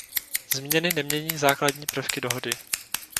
Změny nemění základní prvky dohody.